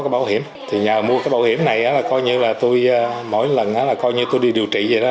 bảo hiểm thì nhờ mua cái bảo hiểm này là coi như là tôi mỗi lần là coi như tôi đi điều trị vậy đó